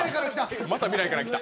また未来から来た。